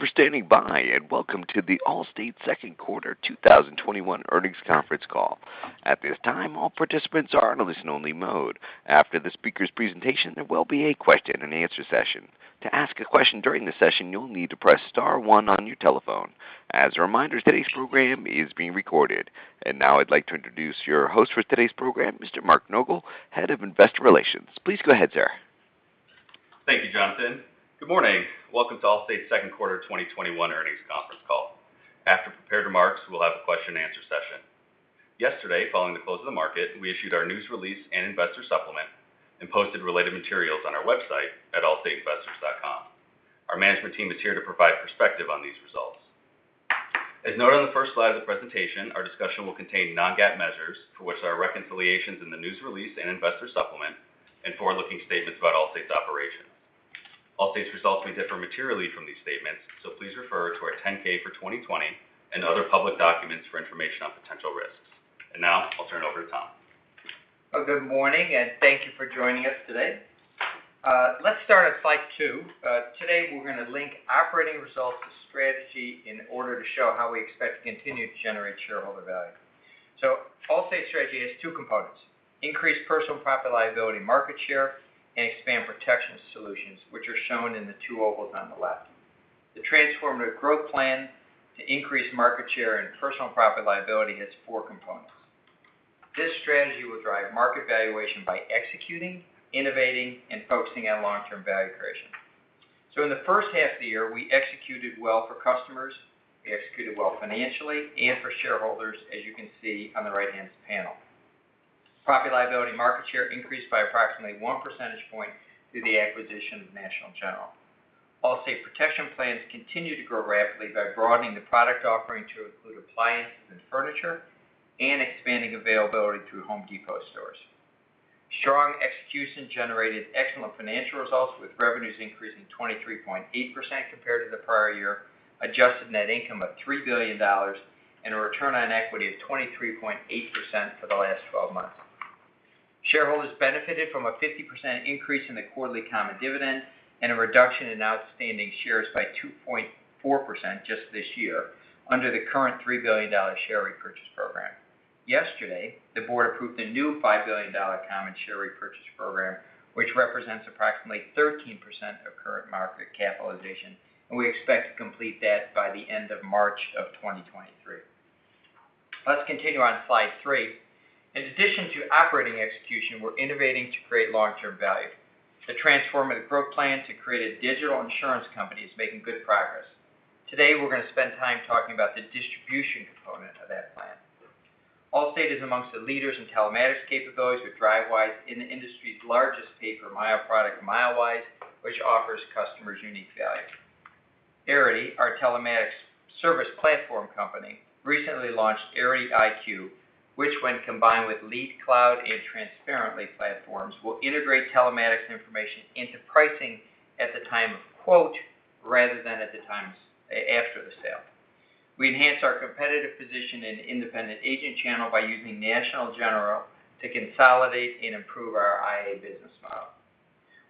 Thank you for standing by, and welcome to the Allstate Second Quarter 2021 Earnings Conference Call. At this time, all participants are in a listen-only mode. After the speaker's presentation, there will be a question-and-answer session. To ask a question during the session, you'll need to press star one on your telephone. As a reminder, today's program is being recorded. Now I'd like to introduce your host for today's program, Mr. Mark Nogal, Head of Investor Relations. Please go ahead, sir. Thank you, Jonathan. Good morning. Welcome to Allstate's Second Quarter 2021 Earnings Conference Call. After prepared remarks, we'll have a question-and-answer session. Yesterday, following the close of the market, we issued our News Release and Investor Supplement and posted related materials on our website at allstateinvestors.com. Our management team is here to provide perspective on these results. As noted on the first slide of the presentation, our discussion will contain non-GAAP measures for which our reconciliations in the News Release and Investor Supplement and forward-looking statements about Allstate's operation. Allstate's results may differ materially from these statements, so please refer to our 10K for 2020 and other public documents for information on potential risks. Now, I'll turn it over to Tom. Good morning, and thank you for joining us today. Let's start at slide two. Today, we're going to link operating results to strategy in order to show how we expect to continue to generate shareholder value. Allstate's strategy has two components, increase personal property and liability market share, and expand protection solutions, which are shown in the two ovals on the left. The Transformative Growth Plan to increase market share and personal property and liability has four components. This strategy will drive market valuation by executing, innovating, and focusing on long-term value creation. In the first half of the year, we executed well for customers, we executed well financially and for shareholders, as you can see on the right-hand panel. Property and liability market share increased by approximately 1 percentage point through the acquisition of National General. Allstate Protection Plans continue to grow rapidly by broadening the product offering to include appliances and furniture and expanding availability through The Home Depot stores. Strong execution generated excellent financial results with revenues increasing 23.8% compared to the prior year, adjusted net income of $3 billion, and a return on equity of 23.8% for the last 12 months. Shareholders benefited from a 50% increase in the quarterly common dividend and a reduction in outstanding shares by 2.4% just this year under the current $3 billion share repurchase program. Yesterday, the board approved a new $5 billion common share repurchase program, which represents approximately 13% of current market capitalization, and we expect to complete that by the end of March of 2023. Let's continue on slide three. In addition to operating execution, we're innovating to create long-term value. The Transformative Growth plan to create a digital insurance company is making good progress. Today, we're going to spend time talking about the distribution component of that plan. Allstate is amongst the leaders in telematics capabilities with Drivewise in the industry's largest pay-per-mile product, Milewise, which offers customers unique value. Arity, our telematics service platform company, recently launched Arity IQ, which when combined with LeadCloud and Transparent.ly platforms, will integrate telematics information into pricing at the time of quote rather than at the times after the sale. We enhanced our competitive position in independent agent channel by using National General to consolidate and improve our IA business model.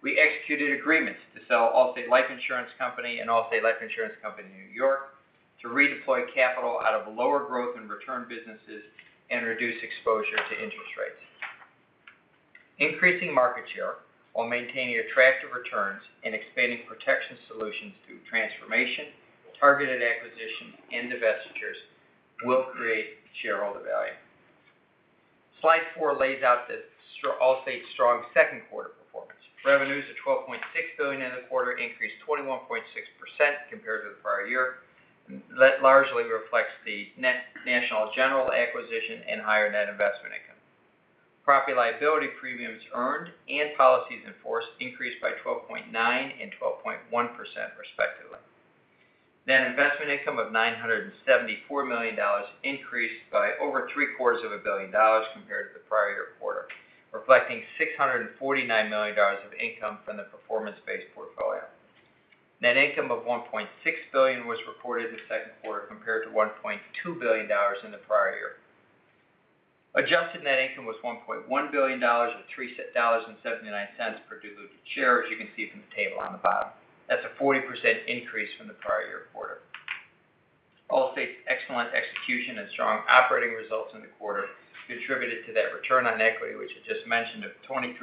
We executed agreements to sell Allstate Life Insurance Company and Allstate Life Insurance Company of New York to redeploy capital out of lower growth and return businesses and reduce exposure to interest rates. Increasing market share while maintaining attractive returns and expanding protection solutions through transformation, targeted acquisitions and divestitures will create shareholder value. Slide four lays out Allstate's strong second quarter performance. Revenues of $12.6 billion in the quarter increased 21.6% compared to the prior year. That largely reflects the National General acquisition and higher net investment income. Property and liability premiums earned and policies in force increased by 12.9% and 12.1% respectively. Net investment income of $974 million increased by over three-quarters of a billion dollars compared to the prior year quarter, reflecting $649 million of income from the performance-based portfolio. Net income of $1.6 billion was reported this second quarter compared to $1.2 billion in the prior year. Adjusted net income was $1.1 billion or $3.79 per diluted share, as you can see from the table on the bottom. That's a 40% increase from the prior year quarter. Allstate's excellent execution and strong operating results in the quarter contributed to that return on equity, which I just mentioned, of 23.8%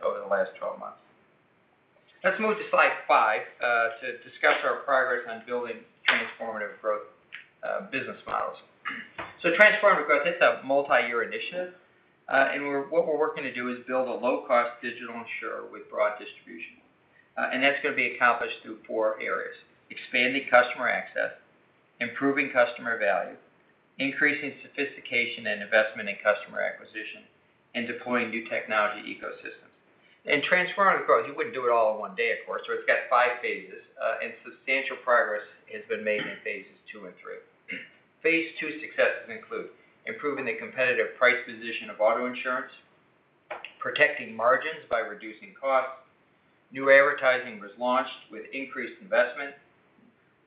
over the last 12 months. Let's move to slide five to discuss our progress on building Transformative Growth business models. Transformative Growth, that's a multi-year initiative, and what we're working to do is build a low-cost digital insurer with broad distribution. That's going to be accomplished through four areas: expanding customer access, improving customer value, increasing sophistication and investment in customer acquisition, and deploying new technology ecosystems. In Transformative Growth, you wouldn't do it all in one day, of course. It's got five phases. Substantial progress has been made in phases II and III. Phase II successes include improving the competitive price position of auto insurance, protecting margins by reducing costs. New advertising was launched with increased investment.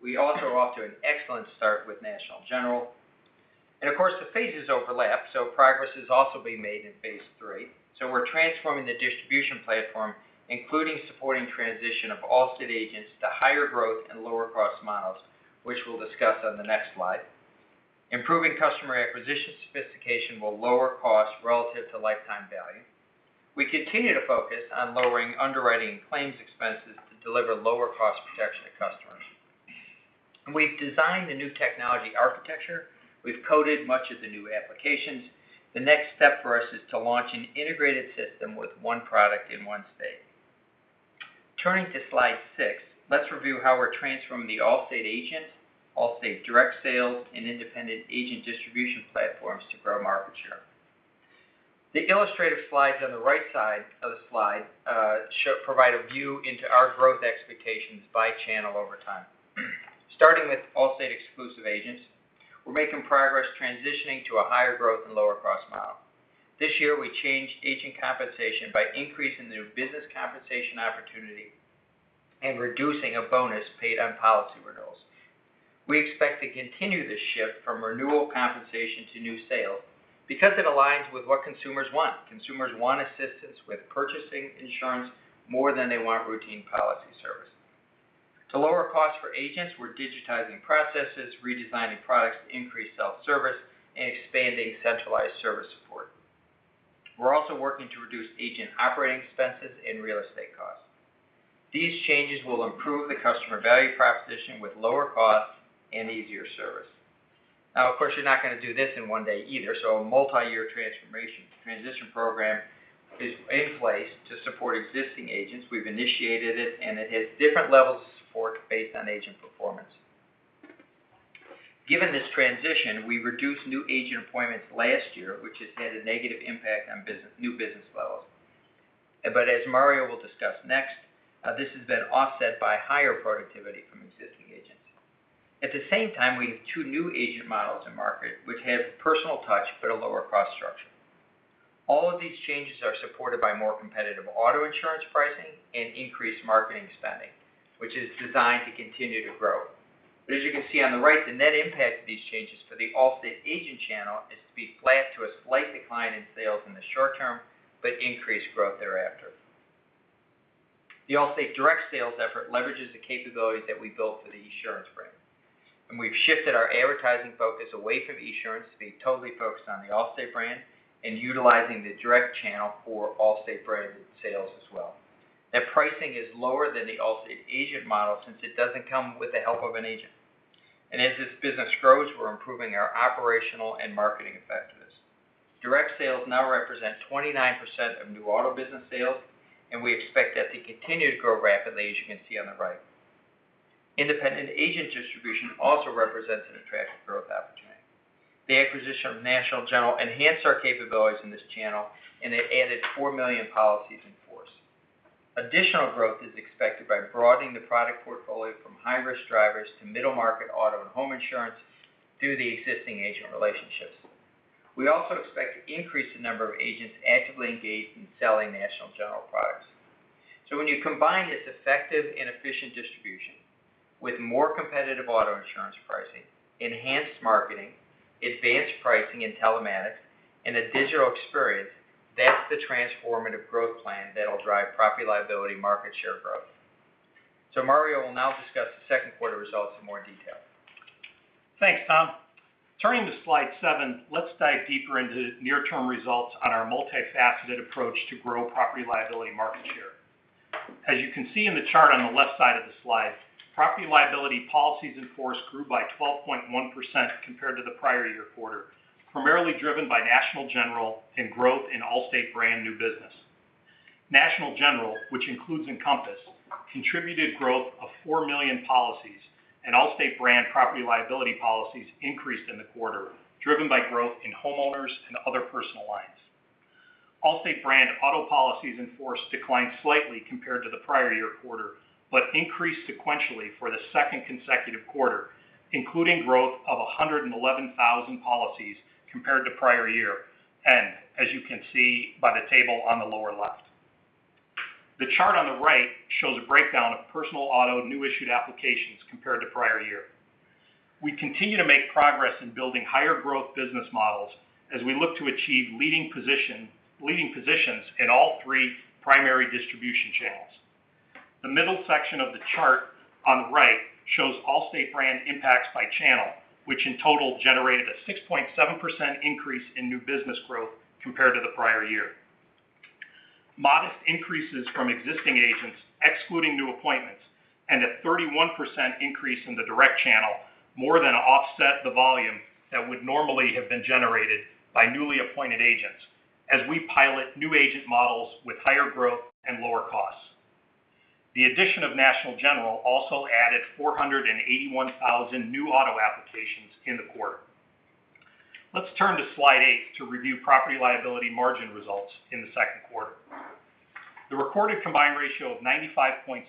We also are off to an excellent start with National General. Of course, the phases overlap, so progress is also being made in phase III. We're transforming the distribution platform, including supporting transition of Allstate agents to higher growth and lower cost models, which we'll discuss on the next slide. Improving customer acquisition sophistication will lower costs relative to lifetime value. We continue to focus on lowering underwriting claims expenses to deliver lower cost protection to customers. We've designed the new technology architecture, we've coded much of the new applications. The next step for us is to launch an integrated system with one product in one state. Turning to slide six, let's review how we're transforming the Allstate agent, Allstate direct sales, and independent agent distribution platforms to grow market share. The illustrative slides on the right side of the slide should provide a view into our growth expectations by channel over time. Starting with Allstate exclusive agents, we're making progress transitioning to a higher growth and lower cost model. This year, we changed agent compensation by increasing the business compensation opportunity and reducing a bonus paid on policy renewals. We expect to continue this shift from renewal compensation to new sales because it aligns with what consumers want. Consumers want assistance with purchasing insurance more than they want routine policy service. To lower costs for agents, we're digitizing processes, redesigning products to increase self-service, and expanding centralized service support. We're also working to reduce agent operating expenses and real estate costs. These changes will improve the customer value proposition with lower costs and easier service. Of course, you're not going to do this in one day either. A multi-year transition program is in place to support existing agents. We've initiated it. It has different levels of support based on agent performance. Given this transition, we reduced new agent appointments last year, which has had a negative impact on new business levels. As Mario will discuss next, this has been offset by higher productivity from existing agents. At the same time, we have two new agent models in market, which have personal touch, but a lower cost structure. All of these changes are supported by more competitive auto insurance pricing and increased marketing spending, which is designed to continue to grow. As you can see on the right, the net impact of these changes for the Allstate agent channel is to be flat to a slight decline in sales in the short term, but increased growth thereafter. The Allstate direct sales effort leverages the capabilities that we built for the Esurance brand. We've shifted our advertising focus away from Esurance to be totally focused on the Allstate brand and utilizing the direct channel for Allstate branded sales as well. Now, pricing is lower than the Allstate agent model since it doesn't come with the help of an agent. As this business grows, we're improving our operational and marketing effectiveness. Direct sales now represent 29% of new auto business sales, and we expect that to continue to grow rapidly, as you can see on the right. Independent agent distribution also represents an attractive growth opportunity. The acquisition of National General enhanced our capabilities in this channel, it added 4 million policies in force. Additional growth is expected by broadening the product portfolio from high-risk drivers to middle-market auto and home insurance through the existing agent relationships. We also expect to increase the number of agents actively engaged in selling National General products. When you combine this effective and efficient distribution with more competitive auto insurance pricing, enhanced marketing, advanced pricing and telematics, and a digital experience, that's the Transformative Growth Plan that'll drive property liability market share growth. Mario will now discuss the second quarter results in more detail. Thanks, Tom. Turning to slide seven, let's dive deeper into near-term results on our multifaceted approach to grow property-liability market share. As you can see in the chart on the left side of the slide, property-liability policies in force grew by 12.1% compared to the prior-year quarter, primarily driven by National General and growth in Allstate brand new business. National General, which includes Encompass, contributed growth of 4 million policies, and Allstate brand property-liability policies increased in the quarter, driven by growth in homeowners and other personal lines. Allstate brand auto policies in force declined slightly compared to the prior-year quarter, but increased sequentially for the second consecutive quarter, including growth of 111,000 policies compared to prior-year, and as you can see by the table on the lower left. The chart on the right shows a breakdown of personal auto new issued applications compared to prior year. We continue to make progress in building higher growth business models as we look to achieve leading positions in all three primary distribution channels. The middle section of the chart on the right shows Allstate brand impacts by channel, which in total generated a 6.7% increase in new business growth compared to the prior year. Modest increases from existing agents, excluding new appointments, and a 31% increase in the direct channel, more than offset the volume that would normally have been generated by newly appointed agents, as we pilot new agent models with higher growth and lower costs. The addition of National General also added 481,000 new auto applications in the quarter. Let's turn to slide eight to review property-liability margin results in the second quarter. The recorded combined ratio of 95.7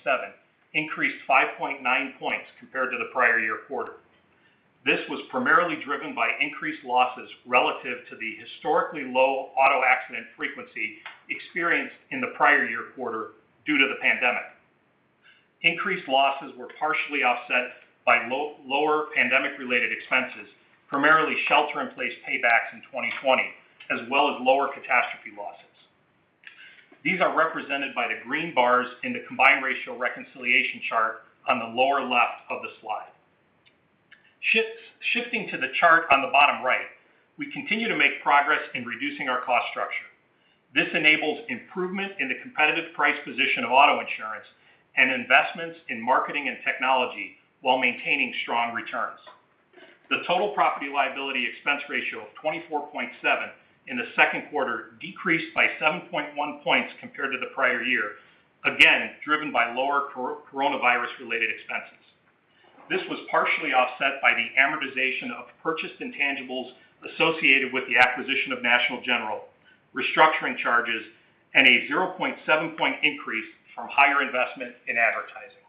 increased 5.9 points compared to the prior year quarter. This was primarily driven by increased losses relative to the historically low auto accident frequency experienced in the prior year quarter due to the pandemic. Increased losses were partially offset by lower pandemic-related expenses, primarily shelter-in-place paybacks in 2020, as well as lower catastrophe losses. These are represented by the green bars in the combined ratio reconciliation chart on the lower left of the slide. Shifting to the chart on the bottom right, we continue to make progress in reducing our cost structure. This enables improvement in the competitive price position of auto insurance and investments in marketing and technology while maintaining strong returns. The total property-liability expense ratio of 24.7 in the second quarter decreased by 7.1 points compared to the prior year, again, driven by lower coronavirus-related expenses. This was partially offset by the amortization of purchased intangibles associated with the acquisition of National General, restructuring charges, and a 0.7-point increase from higher investment in advertising.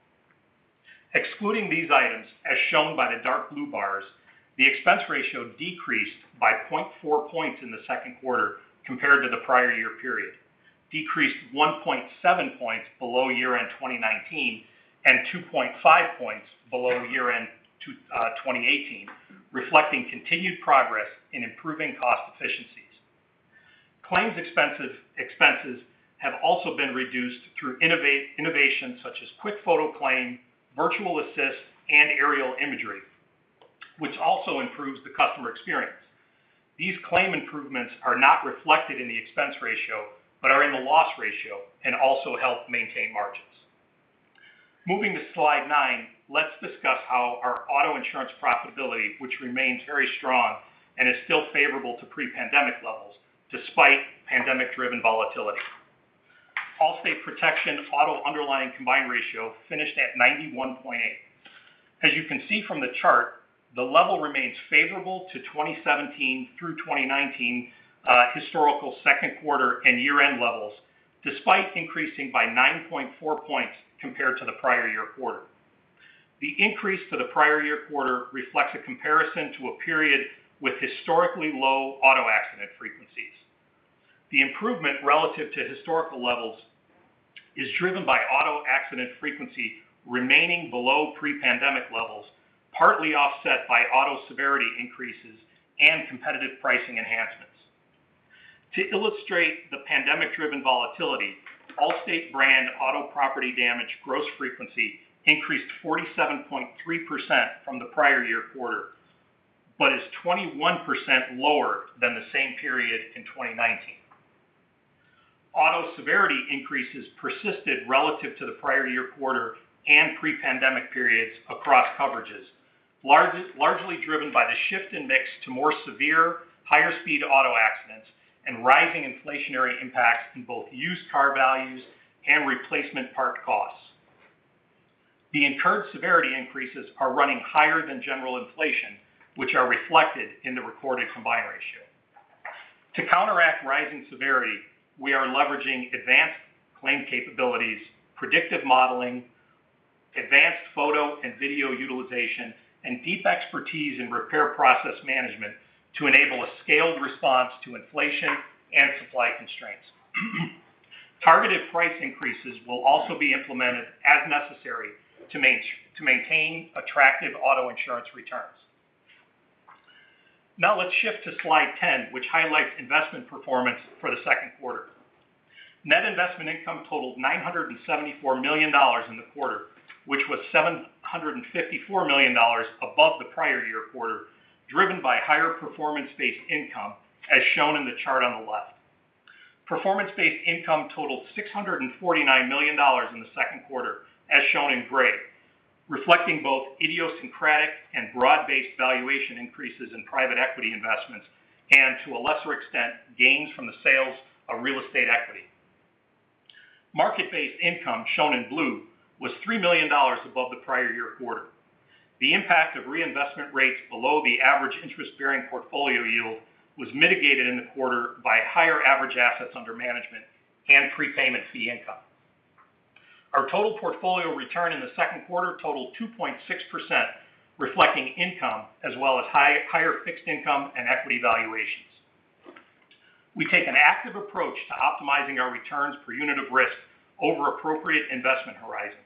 Excluding these items, as shown by the dark blue bars, the expense ratio decreased by 0.4 points in the second quarter compared to the prior year period, decreased 1.7 points below year-end 2019, and 2.5 points below year-end 2018, reflecting continued progress in improving cost efficiencies. Claims expenses have also been reduced through innovation such as QuickFoto Claim, Virtual Assist, and aerial imagery, which also improves the customer experience. These claim improvements are not reflected in the expense ratio but are in the loss ratio and also help maintain margins. Moving to slide nine, let's discuss how our auto insurance profitability, which remains very strong and is still favorable to pre-pandemic levels despite pandemic-driven volatility. Allstate Protection auto underlying combined ratio finished at 91.8. As you can see from the chart, the level remains favorable to 2017 through 2019 historical second quarter and year-end levels, despite increasing by 9.4 points compared to the prior year quarter. The increase to the prior year quarter reflects a comparison to a period with historically low auto accident frequencies. The improvement relative to historical levels is driven by auto accident frequency remaining below pre-pandemic levels, partly offset by auto severity increases and competitive pricing enhancements. To illustrate the pandemic-driven volatility, Allstate brand auto property damage gross frequency increased 47.3% from the prior year quarter but is 21% lower than the same period in 2019. Auto severity increases persisted relative to the prior year quarter and pre-pandemic periods across coverages, largely driven by the shift in mix to more severe, higher-speed auto accidents and rising inflationary impacts in both used car values and replacement part costs. The incurred severity increases are running higher than general inflation, which are reflected in the recorded combined ratio. To counteract rising severity, we are leveraging advanced claim capabilities, predictive modeling, advanced photo and video utilization, and deep expertise in repair process management to enable a scaled response to inflation and supply constraints. Targeted price increases will also be implemented as necessary to maintain attractive auto insurance returns. Now let's shift to slide 10, which highlights investment performance for the second quarter. Net investment income totaled $974 million in the quarter, which was $754 million above the prior year quarter, driven by higher performance-based income, as shown in the chart on the left. Performance-based income totaled $649 million in the second quarter, as shown in gray, reflecting both idiosyncratic and broad-based valuation increases in private equity investments and, to a lesser extent, gains from the sales of real estate equity. Market-based income, shown in blue, was $3 million above the prior year quarter. The impact of reinvestment rates below the average interest-bearing portfolio yield was mitigated in the quarter by higher average assets under management and prepayment fee income. Our total portfolio return in the second quarter totaled 2.6%, reflecting income as well as higher fixed income and equity valuations. We take an active approach to optimizing our returns per unit of risk over appropriate investment horizons.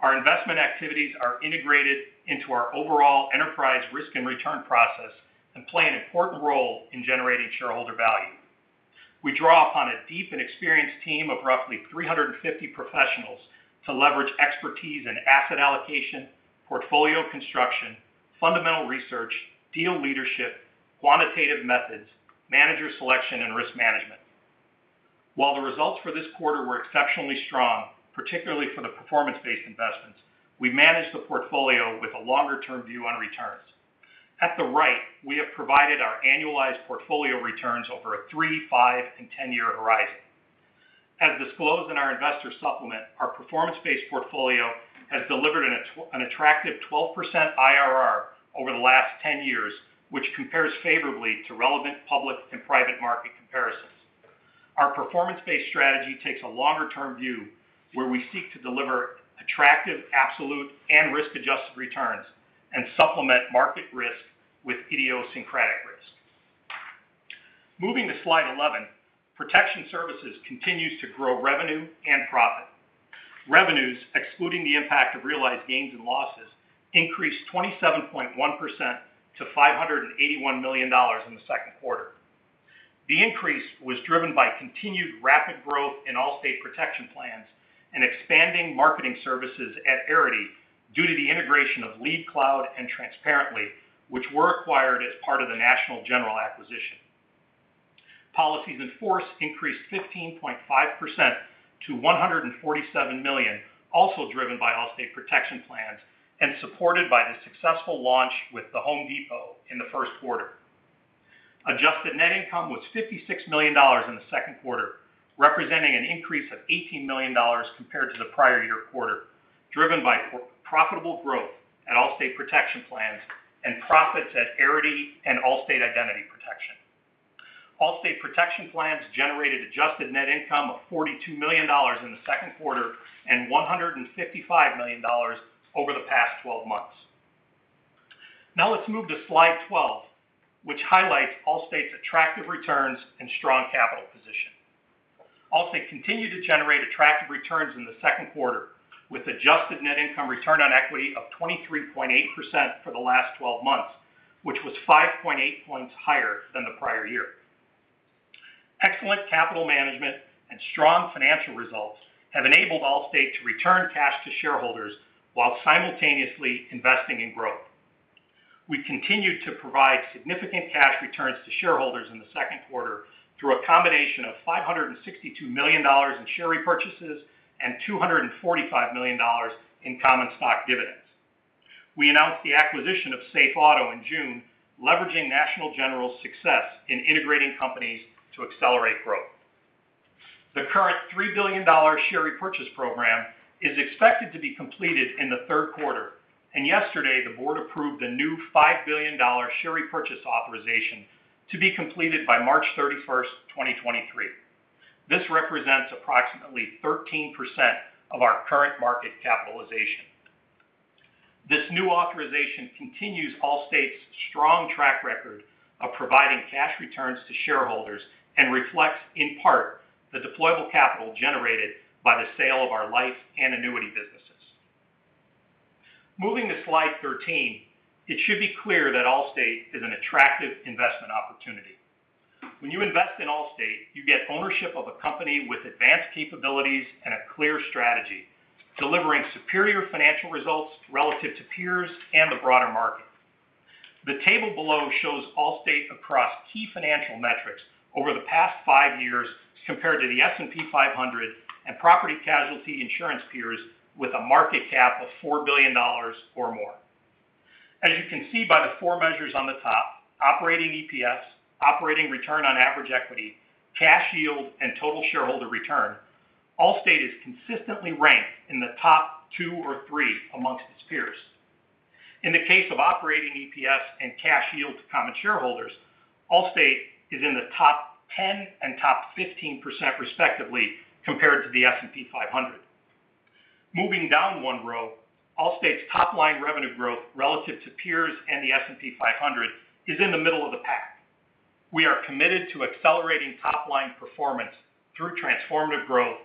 Our investment activities are integrated into our overall enterprise risk and return process and play an important role in generating shareholder value. We draw upon a deep and experienced team of roughly 350 professionals to leverage expertise in asset allocation, portfolio construction, fundamental research, deal leadership, quantitative methods, manager selection, and risk management. While the results for this quarter were exceptionally strong, particularly for the performance-based investments, we managed the portfolio with a longer-term view on returns. At the right, we have provided our annualized portfolio returns over a three-, five-, and 10-year horizon. As disclosed in our investor supplement, our performance-based portfolio has delivered an attractive 12% IRR over the last 10 years, which compares favorably to relevant public and private market comparisons. Our performance-based strategy takes a longer-term view, where we seek to deliver attractive absolute and risk-adjusted returns and supplement market risk with idiosyncratic risk. Moving to slide 11, Protection Services continues to grow revenue and profit. Revenues, excluding the impact of realized gains and losses, increased 27.1% to $581 million in the second quarter. The increase was driven by continued rapid growth in Allstate Protection Plans and expanding marketing services at Arity due to the integration of LeadCloud and Transparent.ly, which were acquired as part of the National General acquisition. Policies in force increased 15.5% to 147 million, also driven by Allstate Protection Plans and supported by the successful launch with The Home Depot in the first quarter. Adjusted net income was $56 million in the second quarter, representing an increase of $18 million compared to the prior year quarter, driven by profitable growth at Allstate Protection Plans and profits at Arity and Allstate Identity Protection. Allstate Protection Plans generated adjusted net income of $42 million in the second quarter and $155 million over the past 12 months. Let's move to slide 12, which highlights Allstate's attractive returns and strong capital position. Allstate continued to generate attractive returns in the second quarter, with adjusted net income return on equity of 23.8% for the last 12 months, which was 5.8 points higher than the prior year. Excellent capital management and strong financial results have enabled Allstate to return cash to shareholders while simultaneously investing in growth. We continued to provide significant cash returns to shareholders in the second quarter through a combination of $562 million in share repurchases and $245 million in common stock dividends. We announced the acquisition of SafeAuto in June, leveraging National General's success in integrating companies to accelerate growth. The current $3 billion share repurchase program is expected to be completed in the third quarter, and yesterday the Board approved a new $5 billion share repurchase authorization to be completed by March 31st, 2023. This represents approximately 13% of our current market capitalization. This new authorization continues Allstate's strong track record of providing cash returns to shareholders and reflects, in part, the deployable capital generated by the sale of our life and annuity businesses. Moving to slide 13, it should be clear that Allstate is an attractive investment opportunity. When you invest in Allstate, you get ownership of a company with advanced capabilities and a clear strategy, delivering superior financial results relative to peers and the broader market. The table below shows Allstate across key financial metrics over the past five years compared to the S&P 500 and property casualty insurance peers with a market cap of $4 billion or more. As you can see by the four measures on the top, operating EPS, operating return on average equity, cash yield, and total shareholder return, Allstate is consistently ranked in the top two or three amongst its peers. In the case of operating EPS and cash yield to common shareholders, Allstate is in the top 10 and top 15% respectively, compared to the S&P 500. Moving down one row, Allstate's top-line revenue growth relative to peers and the S&P 500 is in the middle of the pack. We are committed to accelerating top-line performance through Transformative Growth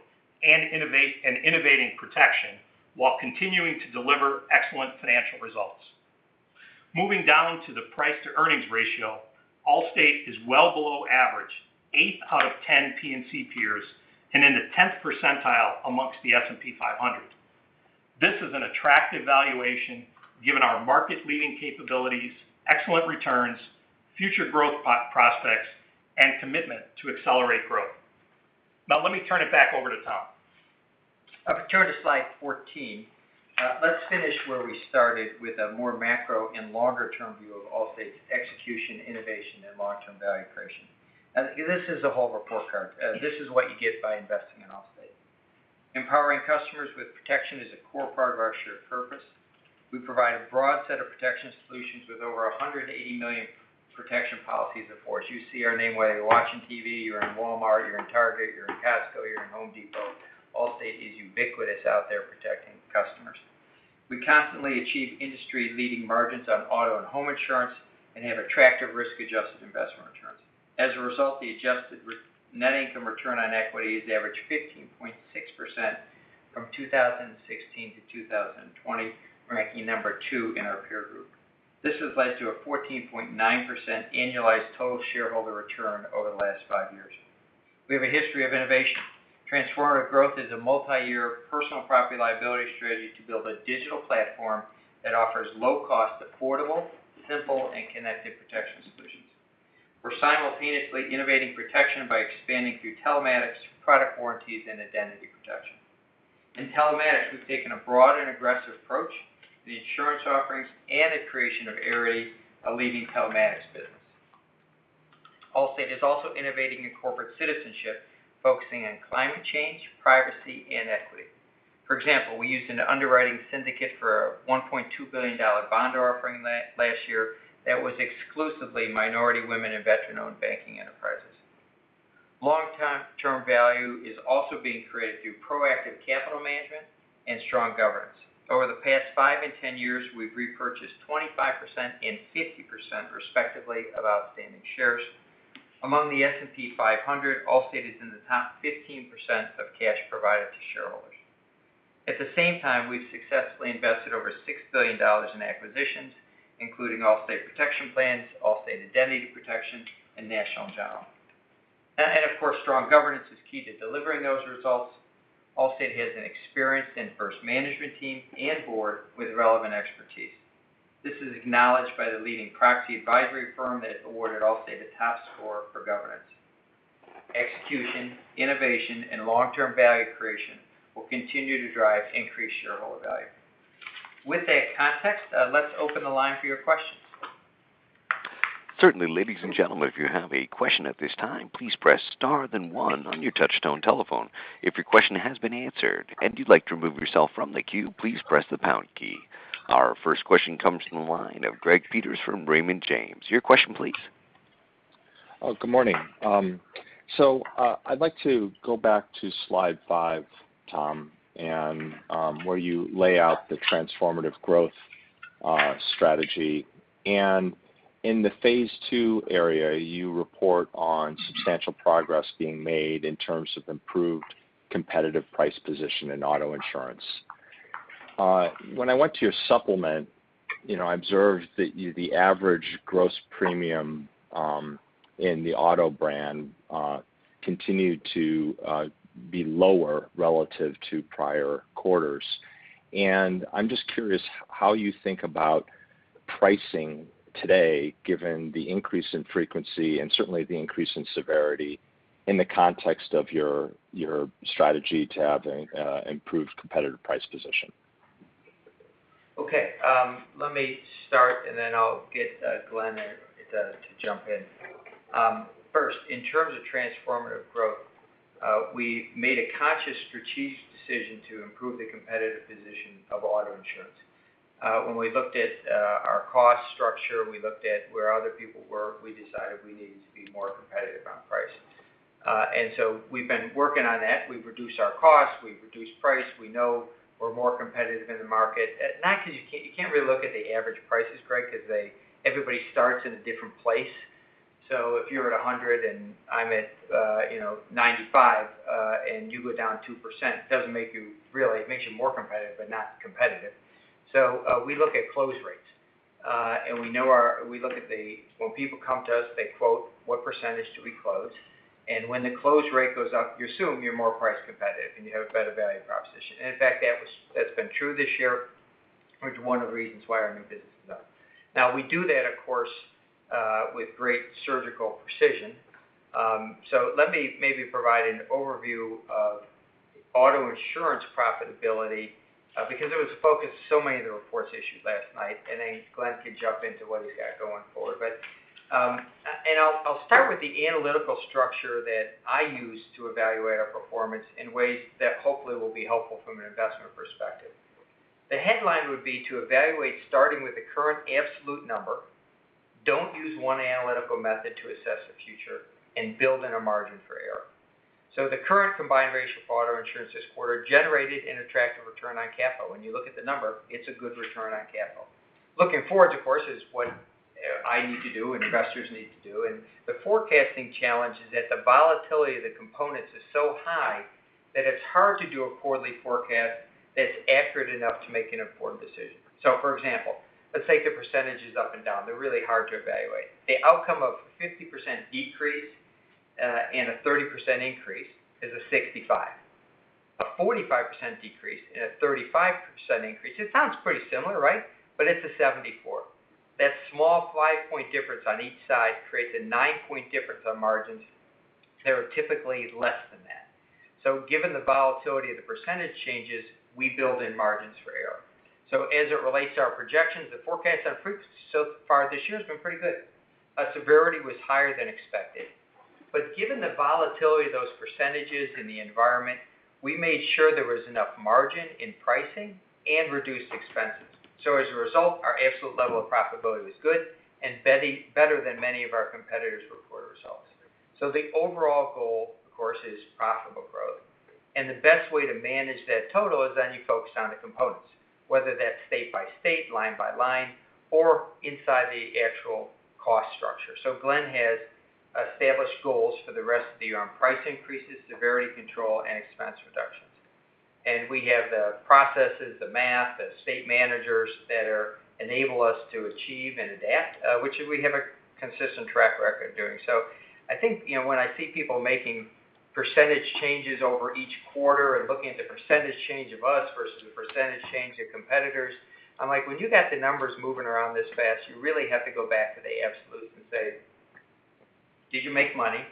and innovating protection while continuing to deliver excellent financial results. Moving down to the price-to-earnings ratio, Allstate is well below average, eight out of 10 P&C peers, and in the 10th percentile amongst the S&P 500. This is an attractive valuation given our market-leading capabilities, excellent returns, future growth prospects, and commitment to accelerate growth. Let me turn it back over to Tom. If we turn to slide 14, let's finish where we started with a more macro and longer-term view of Allstate's execution, innovation, and long-term value creation. This is a whole report card. This is what you get by investing in Allstate. Empowering customers with protection is a core part of our shared purpose. We provide a broad set of protection solutions with over 180 million protection policies in force. You see our name, whether you're watching TV, you're in Walmart, you're in Target, you're in Costco, you're in The Home Depot. Allstate is ubiquitous out there protecting customers. We constantly achieve industry-leading margins on auto and home insurance and have attractive risk-adjusted investment returns. As a result, the adjusted net income return on equity has averaged 15.6% from 2016 to 2020, ranking number two in our peer group. This has led to a 14.9% annualized total shareholder return over the last five years. We have a history of innovation. Transformative Growth is a multi-year personal property liability strategy to build a digital platform that offers low cost, affordable, simple, and connected protection solutions. We're simultaneously innovating protection by expanding through telematics, product warranties, and identity protection. In telematics, we've taken a broad and aggressive approach to the insurance offerings and the creation of Arity, a leading telematics business. Allstate is also innovating in corporate citizenship, focusing on climate change, privacy, and equity. For example, we used an underwriting syndicate for a $1.2 billion bond offering last year that was exclusively minority, women, and veteran-owned banking enterprises. Long-time term value is also being created through proactive capital management and strong governance. Over the past five and 10 years, we've repurchased 25% and 50%, respectively, of outstanding shares. Among the S&P 500, Allstate is in the top 15% of cash provided to shareholders. At the same time, we've successfully invested over $6 billion in acquisitions, including Allstate Protection Plans, Allstate Identity Protection, and National General. Of course, strong governance is key to delivering those results. Allstate has an experienced and first management team and board with relevant expertise. This is acknowledged by the leading proxy advisory firm that awarded Allstate the top score for governance. Execution, innovation, and long-term value creation will continue to drive increased shareholder value. With that context, let's open the line for your questions. Certainly. Ladies and gentlemen, if you have a question at this time, please press star then one on your touchtone telephone. If your question has been answered and you'd like to remove yourself from the queue, please press the pound key. Our first question comes from the line of Greg Peters from Raymond James. Your question please. Good morning. I'd like to go back to slide five, Tom, where you lay out the Transformative Growth strategy. And in the phase II area, you report on substantial progress being made in terms of improved competitive price position in auto insurance. When I went to your supplement, I observed that the average gross premium in the auto brand continued to be lower relative to prior quarters. I'm just curious how you think about pricing today, given the increase in frequency and certainly the increase in severity in the context of your strategy to have an improved competitive price position. Okay. Let me start, and then I'll get Glenn to jump in. First, in terms of Transformative Growth, we made a conscious strategic decision to improve the competitive position of auto insurance. When we looked at our cost structure, we looked at where other people were, we decided we needed to be more competitive on price. We've been working on that. We've reduced our cost, we've reduced price. We know we're more competitive in the market. You can't really look at the average prices, Greg, because everybody starts in a different place. If you're at 100 and I'm at 95, and you go down 2%, really, it makes you more competitive, but not competitive. We look at close rates. When people come to us, they quote, what percentage do we close? When the close rate goes up, you assume you're more price competitive and you have a better value proposition. In fact, that's been true this year, which is one of the reasons why our new business is up. We do that, of course, with great surgical precision. Let me maybe provide an overview of auto insurance profitability, because it was focused so many of the reports issued last night, and then Glenn can jump into what he's got going forward. I'll start with the analytical structure that I use to evaluate our performance in ways that hopefully will be helpful from an investment perspective. The headline would be to evaluate starting with the current absolute number, don't use one analytical method to assess the future, and build in a margin for error. The current combined ratio for auto insurance this quarter generated an attractive return on capital. When you look at the number, it's a good return on capital. Looking forward, of course, is what I need to do and investors need to do, and the forecasting challenge is that the volatility of the components is so high that it's hard to do a quarterly forecast that's accurate enough to make an important decision. For example, let's take the percentages up and down. They're really hard to evaluate. The outcome of a 50% decrease and a 30% increase is a 65. A 45% decrease and a 35% increase, it sounds pretty similar, right? It's a 74. That small 5-point difference on each side creates a 9-point difference on margins that are typically less than that. Given the volatility of the percentage changes, we build in margins for error. As it relates to our projections, the forecast on frequency so far this year has been pretty good. Severity was higher than expected. Given the volatility of those percentages in the environment, we made sure there was enough margin in pricing and reduced expenses. As a result, our absolute level of profitability was good and better than many of our competitors' reported results. The overall goal, of course, is profitable growth. The best way to manage that total is then you focus on the components, whether that's state by state, line by line, or inside the actual cost structure. Glenn has established goals for the rest of the year on price increases, severity control, and expense reductions. We have the processes, the math, the state managers that enable us to achieve and adapt, which we have a consistent track record of doing. I think when I see people making percentage changes over each quarter and looking at the percentage change of us versus the percentage change of competitors, I'm like, when you got the numbers moving around this fast, you really have to go back to the absolute and say, "Did you make money?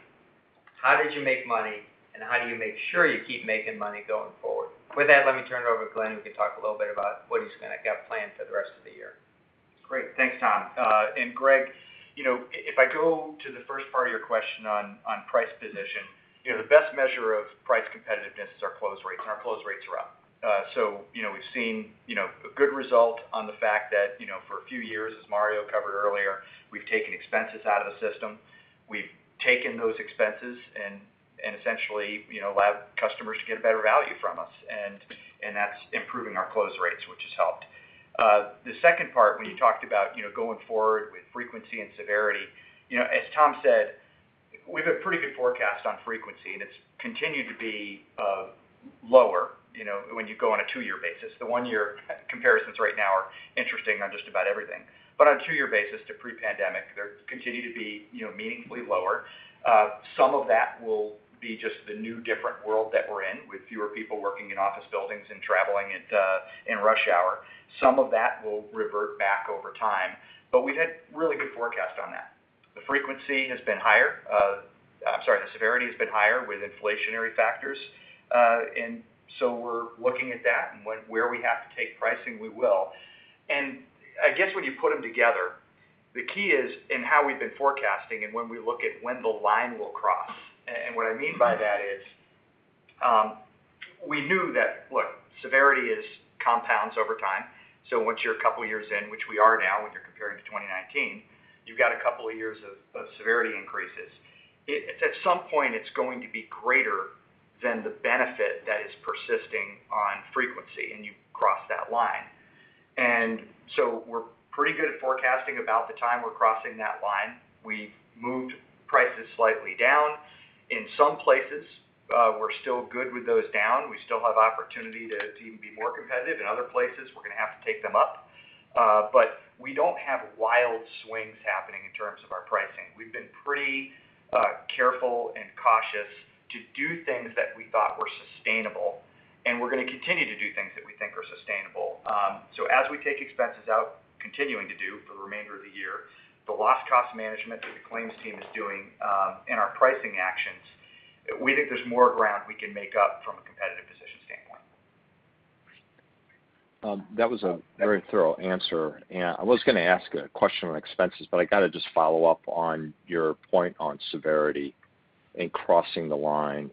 How did you make money? And how do you make sure you keep making money going forward?" With that, let me turn it over to Glenn, who can talk a little bit about what he's got planned for the rest of the year. Thanks, Tom. Greg, if I go to the first part of your question on price position, the best measure of price competitiveness is our close rates, and our close rates are up. We've seen a good result on the fact that for a few years, as Mario covered earlier. We've taken expenses out of the system. We've taken those expenses and essentially allowed customers to get a better value from us, and that's improving our close rates, which has helped. The second part, when you talked about going forward with frequency and severity, as Tom said, we have a pretty good forecast on frequency, and it's continued to be lower when you go on a two-year basis. The one-year comparisons right now are interesting on just about everything. On a two-year basis to pre-pandemic, they continue to be meaningfully lower. Some of that will be just the new different world that we're in, with fewer people working in office buildings and traveling in rush hour. Some of that will revert back over time. We've had really good forecast on that. The frequency has been higher. I'm sorry, the severity has been higher with inflationary factors. We're looking at that, and where we have to take pricing, we will. I guess when you put them together, the key is in how we've been forecasting and when we look at when the line will cross. What I mean by that is we knew that, look, severity compounds over time. Once you're a couple of years in, which we are now, when you're comparing to 2019, you've got a couple of years of severity increases. At some point, it's going to be greater than the benefit that is persisting on frequency, and you cross that line. We're pretty good at forecasting about the time we're crossing that line. We've moved prices slightly down. In some places, we're still good with those down. We still have opportunity to even be more competitive. In other places, we're going to have to take them up. We don't have wild swings happening in terms of our pricing. We've been pretty careful and cautious to do things that we thought were sustainable, and we're going to continue to do things that we think are sustainable. As we take expenses out, continuing to do for the remainder of the year, the loss cost management that the claims team is doing, and our pricing actions, we think there's more ground we can make up from a competitive position standpoint. That was a very thorough answer. I was going to ask a question on expenses, but I got to just follow up on your point on severity and crossing the line.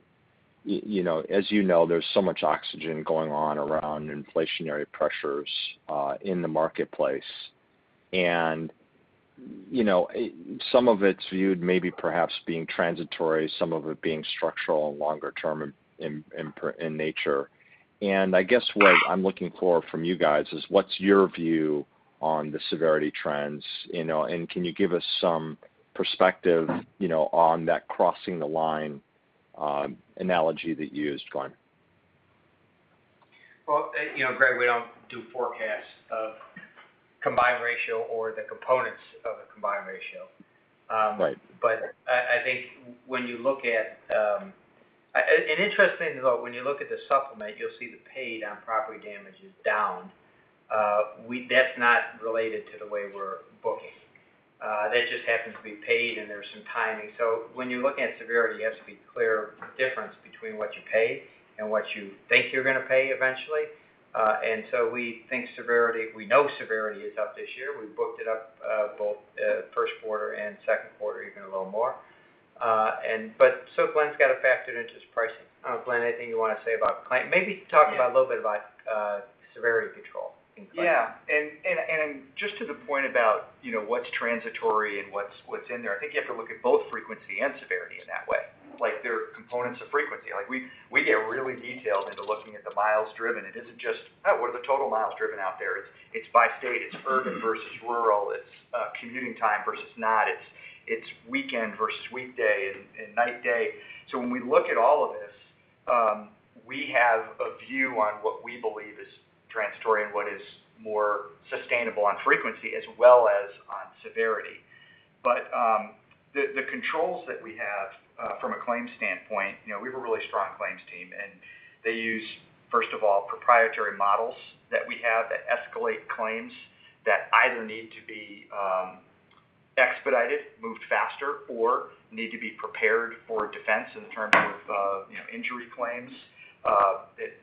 As you know, there's so much oxygen going on around inflationary pressures in the marketplace, some of it's viewed maybe perhaps being transitory, some of it being structural and longer term in nature. I guess what I'm looking for from you guys is what's your view on the severity trends, can you give us some perspective on that crossing the line analogy that you used, Glenn? Well, Greg, we don't do forecasts of combined ratio or the components of a combined ratio. Right. I think when you looked at an interesting thought, when you look at the supplement, you'll see the paid-on property damage is down. That's not related to the way we're booking. That just happens to be paid, and there's some timing. When you're looking at severity, you have to be clear of the difference between what you paid and what you think you're going to pay eventually. We think severity, we know severity is up this year. We've booked it up both first quarter and second quarter, even a little more. Glenn's got it factored into his pricing. Glenn, anything you want to say about claim? Maybe talk a little bit about severity control in claim. Yeah. Just to the point about what's transitory and what's in there, I think you have to look at both frequency and severity in that way. There are components of frequency. We get really detailed into looking at the miles driven. It isn't just, what are the total miles driven out there? It's by state, it's urban versus rural, it's commuting time versus not, it's weekend versus weekday, and night/day. When we look at all of this, we have a view on what we believe is transitory and what is more sustainable on frequency as well as on severity. The controls that we have from a claims standpoint, we have a really strong claims team, and they use, first of all, proprietary models that we have that escalate claims that either need to be expedited, moved faster, or need to be prepared for defense in terms of injury claims, that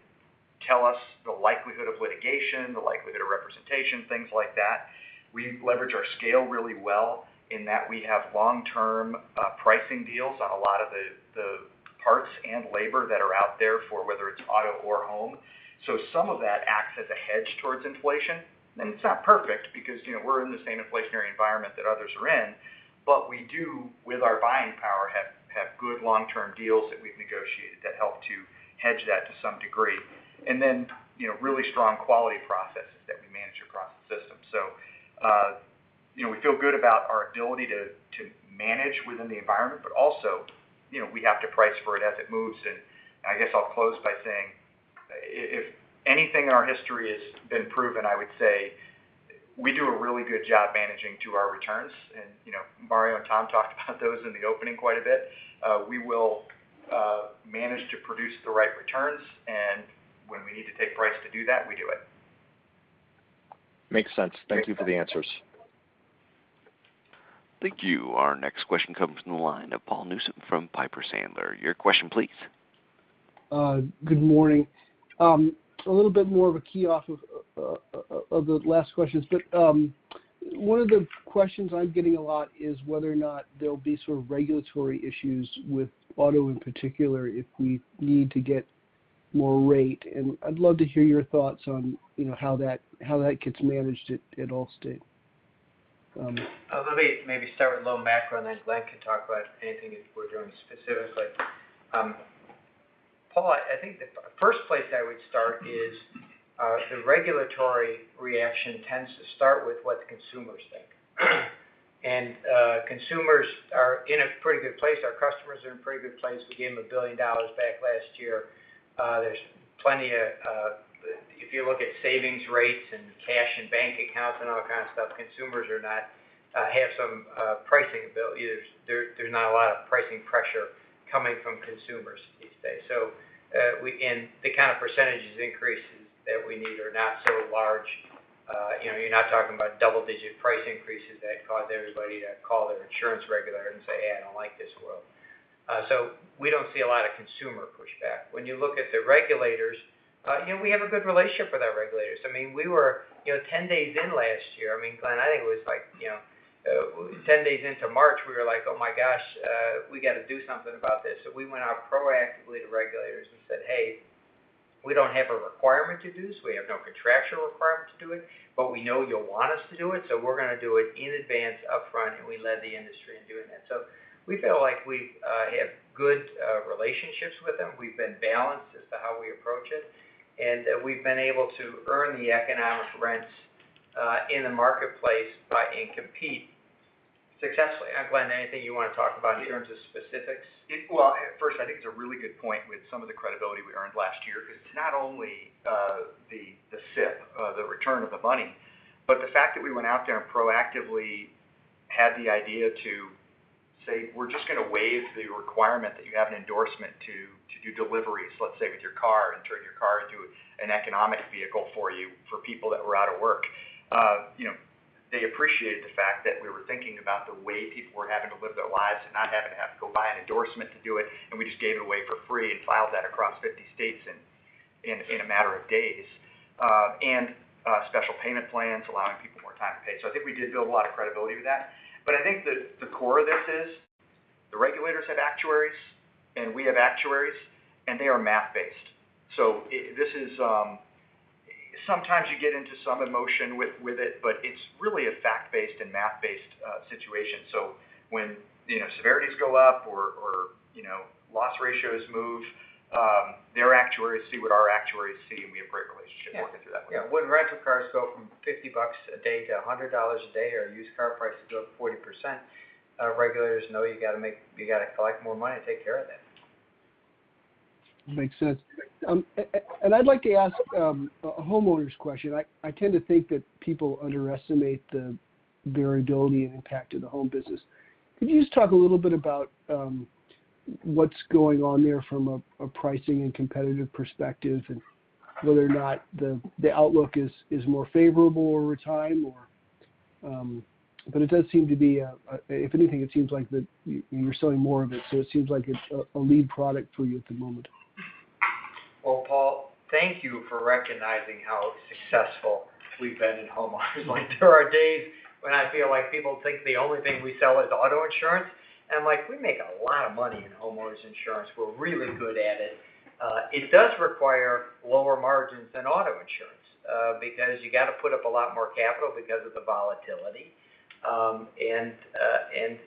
tell us the likelihood of litigation, the likelihood of representation, things like that. We leverage our scale really well in that we have long-term pricing deals on a lot of the parts and labor that are out there for whether it's auto or home. Some of that acts as a hedge towards inflation. It's not perfect because we're in the same inflationary environment that others are in. We do, with our buying power, have good long-term deals that we've negotiated that help to hedge that to some degree. Really strong quality processes that we manage across the system. We feel good about our ability to manage within the environment, but also, we have to price for it as it moves. I guess I'll close by saying, if anything in our history has been proven, I would say we do a really good job managing to our returns. Mario and Tom talked about those in the opening quite a bit. We will manage to produce the right returns, and when we need to take price to do that, we do it. Makes sense. Thank you for the answers. Thank you. Our next question comes from the line of Paul Newsome from Piper Sandler. Your question, please. Good morning. A little bit more of a key off of the last questions, one of the questions I'm getting a lot is whether or not there'll be sort of regulatory issues with auto in particular if we need to get more rate. I'd love to hear your thoughts on how that gets managed at Allstate. Let me maybe start with low macro, and then Glenn can talk about anything that we're doing specifically. Paul, I think the first place I would start is the regulatory reaction tends to start with what consumers think. Consumers are in a pretty good place. Our customers are in a pretty good place. We gave them $1 billion back last year. There's plenty of, if you look at savings rates and cash and bank accounts and all that kind of stuff, consumers have some pricing ability. There's not a lot of pricing pressure coming from consumers these days. The kind of percentage increases that we need are not so large. You're not talking about double-digit price increases that cause everybody to call their insurance regulator and say, "Hey, I don't like this world." We don't see a lot of consumer pushback. When you look at the regulators, we have a good relationship with our regulators. We were 10 days in last year, Glenn, I think it was 10 days into March, we were like, "Oh my gosh. We got to do something about this." We went out proactively to regulators and said, "Hey, we don't have a requirement to do this. We have no contractual requirement to do it, but we know you'll want us to do it, so we're going to do it in advance, upfront," and we led the industry in doing that. We feel like we have good relationships with them. We've been balanced as to how we approach it, and we've been able to earn the economic rents in the marketplace and compete successfully. Glenn, anything you want to talk about in terms of specifics? First, I think it's a really good point with some of the credibility we earned last year, because it's not only the SIP, the return of the money, but the fact that we went out there and proactively had the idea to say, "We're just going to waive the requirement that you have an endorsement to do deliveries, let's say, with your car and turn your car into an economic vehicle for you," for people that were out of work. They appreciated the fact that we were thinking about the way people were having to live their lives and not having to go buy an endorsement to do it, and we just gave it away for free and filed that across 50 states in a matter of days. Special payment plans allowing people more time to pay. I think we did build a lot of credibility with that. I think the core of this is the regulators have actuaries and we have actuaries, and they are math-based. Sometimes you get into some emotion with it, but it's really a fact-based and math-based situation. When severities go up or loss ratios move, their actuaries see what our actuaries see, and we have a great relationship working through that way. Yeah. When rental cars go from $50 a day to $100 a day or used car prices go up 40%, regulators know you got to collect more money to take care of it. Makes sense. I'd like to ask a homeowners question. I tend to think that people underestimate the variability and impact of the home business. Could you just talk a little bit about what's going on there from a pricing and competitive perspective, and whether or not the outlook is more favorable over time? If anything, it seems like you're selling more of it, so it seems like it's a lead product for you at the moment. Well, Paul, thank you for recognizing how successful we've been in homeowners. There are days when I feel like people think the only thing we sell is auto insurance, and I'm like, we make a lot of money in homeowners insurance. We're really good at it. It does require lower margins than auto insurance, because you got to put up a lot more capital because of the volatility.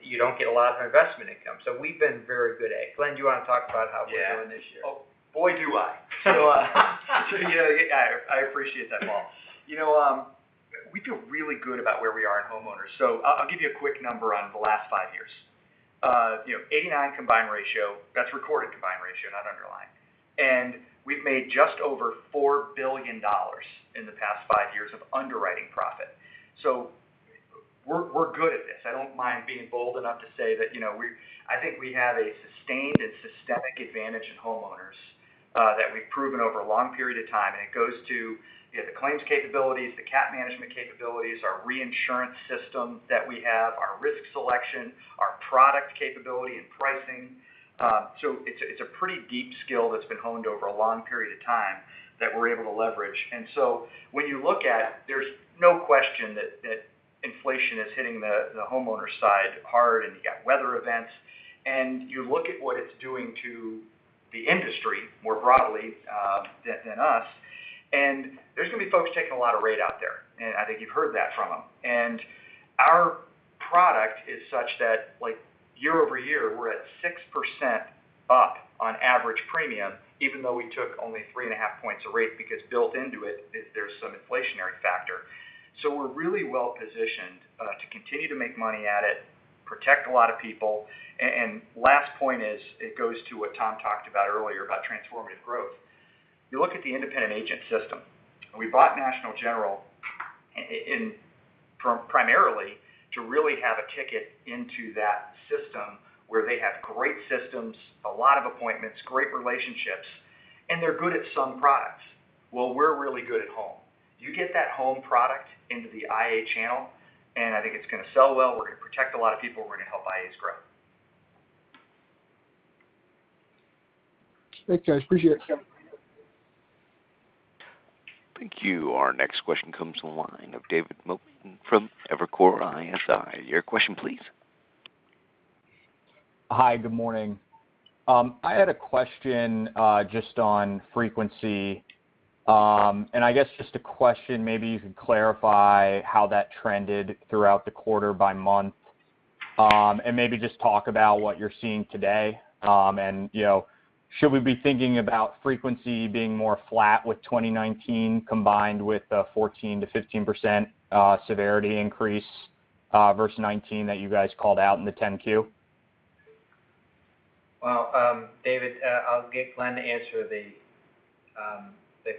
You don't get a lot of investment income. We've been very good at it. Glenn, do you want to talk about how we're doing this year? Oh, boy, do I. I appreciate that, Paul. We feel really good about where we are in homeowners. I'll give you a quick number on the last five years. 89 combined ratio. That's recorded combined ratio, not underlying. We've made just over $4 billion in the past five years of underwriting profit. We're good at this. I don't mind being bold enough to say that I think we have a sustained and systemic advantage in homeowners that we've proven over a long period of time. It goes to the claims capabilities, the cap management capabilities, our reinsurance system that we have, our risk selection, our product capability and pricing. It's a pretty deep skill that's been honed over a long period of time that we're able to leverage. When you look at it, there's no question that inflation is hitting the homeowner side hard, and you got weather events, and you look at what it's doing to the industry more broadly than us, and there's going to be folks taking a lot of rate out there, and I think you've heard that from them. Our product is such that year over year, we're at 6% up on average premium, even though we took only three and a half points of rate because built into it, there's some inflationary factor. We're really well-positioned to continue to make money at it, protect a lot of people. Last point is, it goes to what Tom talked about earlier about Transformative Growth. You look at the independent agent system. We bought National General primarily to really have a ticket into that system where they have great systems, a lot of appointments, great relationships, and they're good at some products. Well, we're really good at home. You get that home product into the IA channel, and I think it's going to sell well. We're going to protect a lot of people. We're going to help IAs grow. Thanks, guys. Appreciate it. Thank you. Our next question comes on the line of David Motemaden from Evercore ISI. Your question, please. Hi. Good morning. I had a question just on frequency. I guess just a question maybe you could clarify how that trended throughout the quarter by month. Maybe just talk about what you're seeing today, and should we be thinking about frequency being more flat with 2019 combined with the 14%-15% severity increase versus 2019 that you guys called out in the 10-Q? David Motemaden, I'll get Glenn to answer the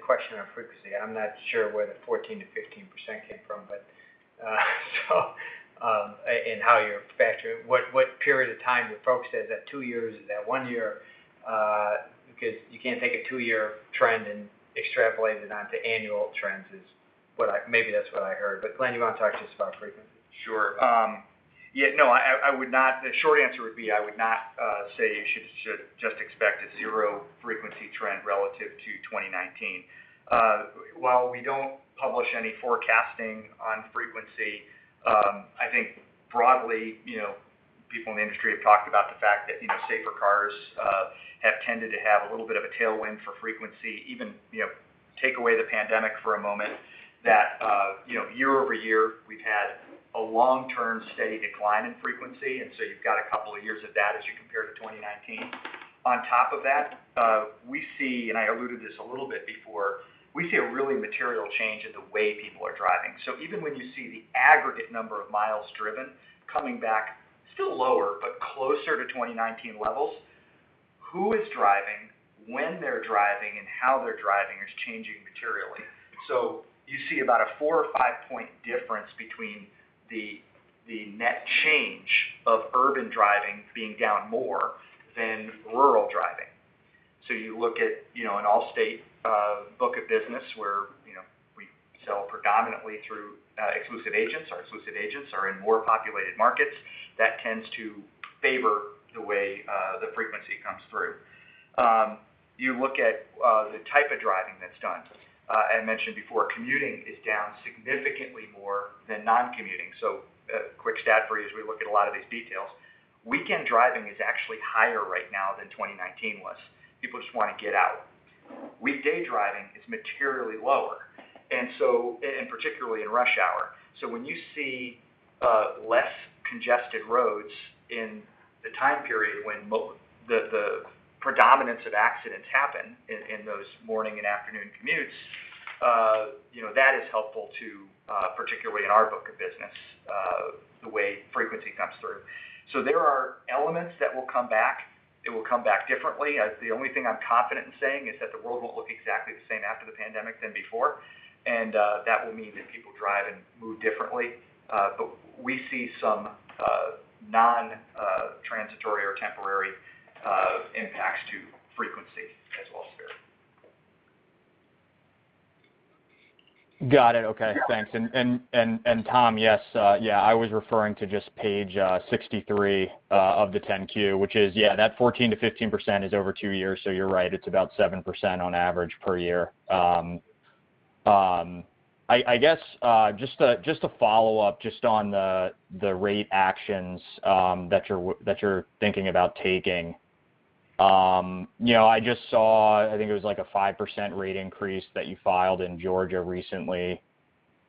question on frequency. I'm not sure where the 14%-15% came from and how you factor it. What period of time you're focused at, is that two years, is that one year? You can't take a two-year trend and extrapolate it onto annual trends, maybe that's what I heard. Glenn, you want to talk just about frequency? Sure. The short answer would be I would not say you should just expect a zero frequency trend relative to 2019. While we don't publish any forecasting on frequency, I think broadly, people in the industry have talked about the fact that safer cars have tended to have a little bit of a tailwind for frequency. Even take away the pandemic for a moment, that year-over-year, we've had a long-term steady decline in frequency. You've got a couple of years of data as you compare to 2019. On top of that, we see, and I alluded this a little bit before, we see a really material change in the way people are driving. Even when you see the aggregate number of miles driven coming back still lower, but closer to 2019 levels, who is driving, when they're driving, and how they're driving is changing materially. You see about a four or five point difference between the net change of urban driving being down more than rural driving. You look at an Allstate book of business where we sell predominantly through exclusive agents. Our exclusive agents are in more populated markets. That tends to favor the way the frequency comes through. You look at the type of driving that's done. I mentioned before, commuting is down significantly more than non-commuting. A quick stat for you as we look at a lot of these details, weekend driving is actually higher right now than 2019 was. People just want to get out. Weekday driving is materially lower, and particularly in rush hour. When you see less congested roads in the time period when the predominance of accidents happen in those morning and afternoon commutes, that is helpful to, particularly in our book of business, the way frequency comes through. There are elements that will come back. It will come back differently. The only thing I'm confident in saying is that the world won't look exactly the same after the pandemic than before, and that will mean that people drive and move differently. We see some non-transitory or temporary impacts to frequency as well as severity. Got it. Okay, thanks. Tom, yes. I was referring to just page 63 of the 10-Q, which is, yeah, that 14%-15% is over two years, so you're right. It's about 7% on average per year. I guess just to follow up just on the rate actions that you're thinking about taking. I just saw, I think it was like a 5% rate increase that you filed in Georgia recently.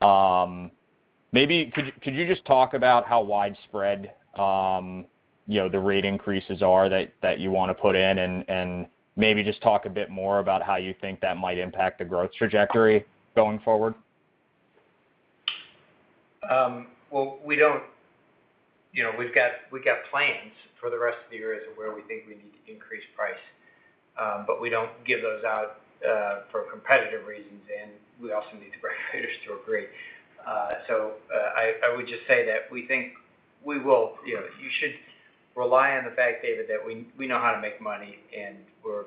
Maybe could you just talk about how widespread the rate increases are that you want to put in and maybe just talk a bit more about how you think that might impact the growth trajectory going forward? We've got plans for the rest of the year as to where we think we need to increase price. We don't give those out for competitive reasons, and we also need the regulators to agree. I would just say that, we think, we will, you should rely on the fact, David, that we know how to make money, and we're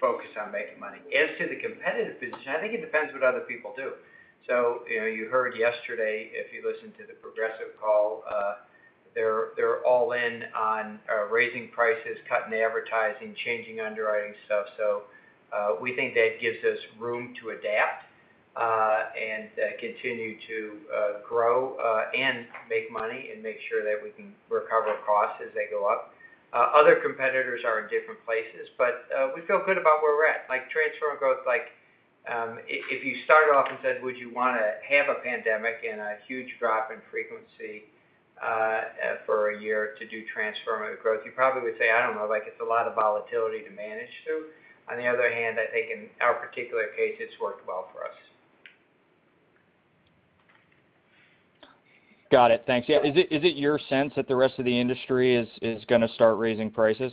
focused on making money. As to the competitive position, I think it depends what other people do. You heard yesterday, if you listened to the Progressive call, they're all in on raising prices, cutting advertising, changing underwriting stuff. We think that gives us room to adapt and continue to grow and make money and make sure that we can recover costs as they go up. Other competitors are in different places, but we feel good about where we're at, like Transformative Growth. If you started off and said, "Would you want to have a pandemic and a huge drop in frequency for a year to do Transformative Growth?" You probably would say, "I don't know. It's a lot of volatility to manage through." On the other hand, I think in our particular case, it's worked well for us. Got it. Thanks. Yeah. Is it your sense that the rest of the industry is going to start raising prices?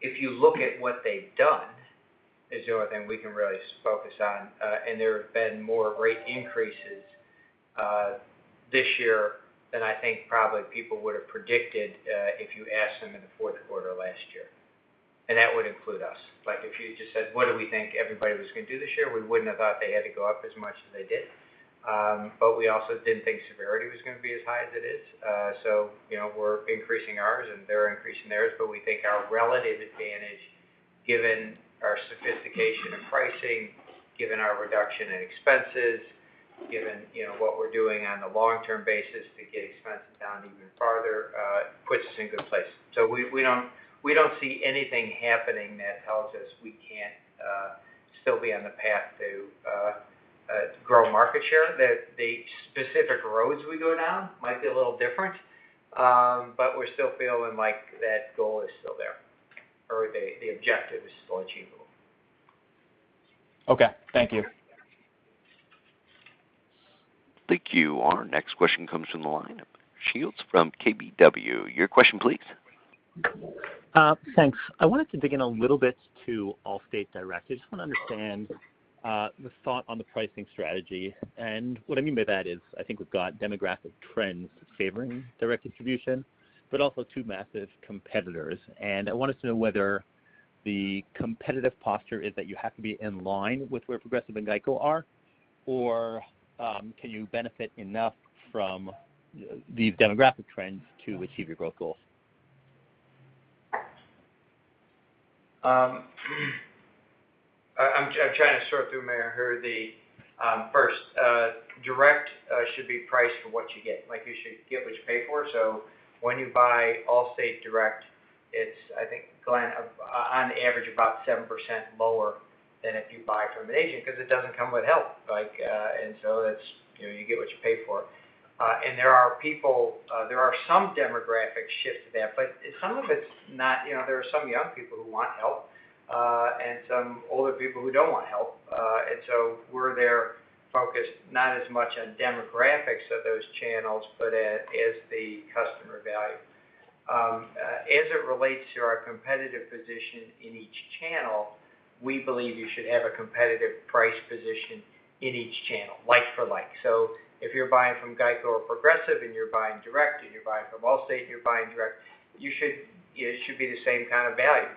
If you look at what they've done is the only thing we can really focus on. There have been more rate increases this year than I think probably people would've predicted if you asked them in the fourth quarter last year. That would include us. If you just said, "What do we think everybody was going to do this year?" We wouldn't have thought they had to go up as much as they did. But we also didn't think severity was going to be as high as it is. We're increasing ours and they're increasing theirs, but we think our relative advantage, given our sophistication in pricing, given our reduction in expenses, given what we're doing on the long-term basis to get expenses down even farther, puts us in good place. We don't see anything happening that tells us we can't still be on the path to grow market share. The specific roads we go down might be a little different. We're still feeling like that goal is still there, or the objective is still achievable. Okay. Thank you. Thank you. Our next question comes from the line of Shields from KBW. Your question, please. Thanks. I wanted to dig in a little bit to Allstate Direct. I just want to understand the thought on the pricing strategy, and what I mean by that is I think we've got demographic trends favoring direct distribution, but also two massive competitors. I wanted to know whether the competitive posture is that you have to be in line with where Progressive and GEICO are, or can you benefit enough from these demographic trends to achieve your growth goals? I'm trying to sort through, Mario, here the first. Direct should be priced for what you get. Like you should get what you pay for. So when you buy Allstate Direct, it's I think, Glenn, on average about 7% lower than if you buy from an agent because it doesn't come with help. So you get what you pay for. There are some demographic shifts to that, but some of it's not. There are some young people who want help, and some older people who don't want help. So we're there focused not as much on demographics of those channels, but as the customer value. As it relates to our competitive position in each channel, we believe you should have a competitive price position in each channel, like for like. If you're buying from GEICO or Progressive and you're buying direct, and you're buying from Allstate and you're buying direct, it should be the same kind of value.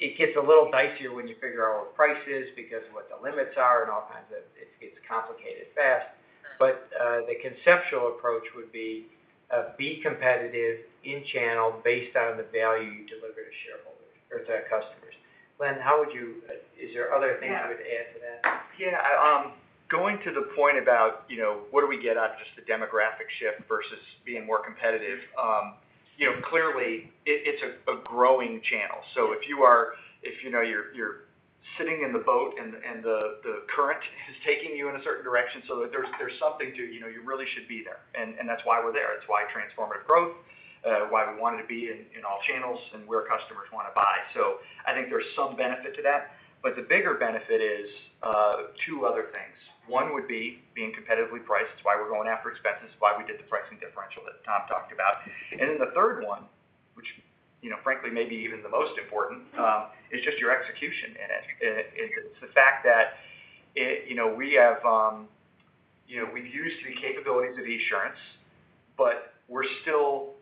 It gets a little dicier when you figure out what price is because of what the limits are and it gets complicated fast. The conceptual approach would be competitive in channel based on the value you deliver to shareholders or to customers. Glenn, is there other things you would add to that? Yeah. Going to the point about what do we get out of just the demographic shift versus being more competitive. Clearly it's a growing channel. If you're sitting in the boat and the current is taking you in a certain direction, you really should be there. That's why we're there. It's why Transformative Growth, why we wanted to be in all channels and where customers want to buy. I think there's some benefit to that, but the bigger benefit is two other things. One would be being competitively priced. It's why we're going after expenses, it's why we did the pricing differential that Tom talked about. The third one, which frankly may be even the most important, is just your execution in it. It's the fact that we've used the capabilities of Esurance, but we're still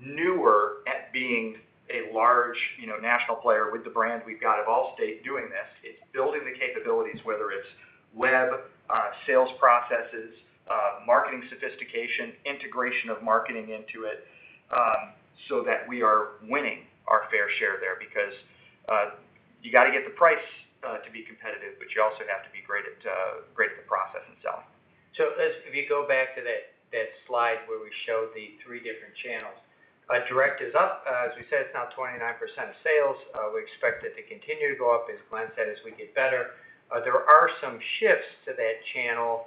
newer at being a large national player with the brand we've got of Allstate doing this. It's building the capabilities, whether it's web sales processes, marketing sophistication, integration of marketing into it, so that we are winning our fair share there because you got to get the price to be competitive, but you also have to be great at the process itself. If you go back to that slide where we showed the three different channels, Direct is up. As we said, it's now 29% of sales. We expect it to continue to go up, as Glenn said, as we get better. There are some shifts to that channel